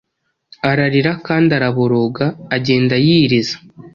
ararira kandi araboroga agendayiriza